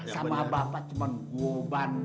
sama bapak cuma guoban